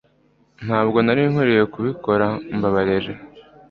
Ntabwo nari nkwiye kubikora Mbabarira